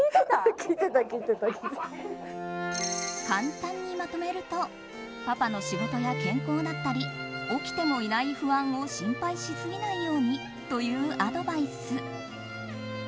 簡単にまとめるとパパの仕事や健康だったり起きてもいない不安を心配しすぎないようにというアドバイス。